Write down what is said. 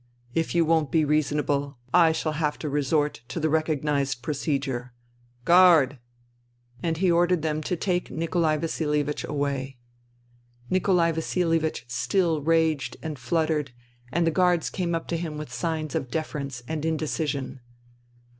If you won't be reasonable, I shall have to resort to the recognized procedure. Guard !And INTERVENING IN SIBERIA 167 he ordered them to take Nikolai Vasihevich away. Nikolai Vasilievich still raged and fluttered, and the guards came up to him with signs of deference and indecision.